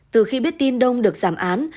từ khi biết tin đông được giảm án